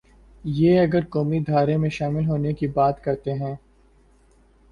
یہ اگر قومی دھارے میں شامل ہونے کی بات کرتے ہیں۔